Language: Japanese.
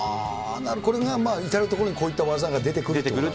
はぁ、至る所にこういった技が出てくると。